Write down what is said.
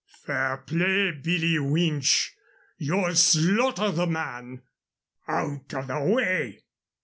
"Fair play, Billee Winch! You'll slaughter the man!" "Out of the way!"